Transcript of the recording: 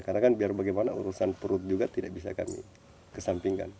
karena kan biar bagaimana urusan perut juga tidak bisa kami kesampingkan